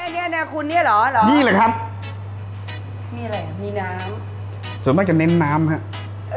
เนี้ยนะคุณเนี่ยเหรอนี่แหละครับมีอะไรมีน้ำส่วนมากจะเน้นน้ำครับ